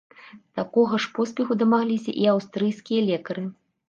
Такога ж поспеху дамагліся і аўстрыйскія лекары.